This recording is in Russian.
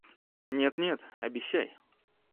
Нет, нет, обещай!...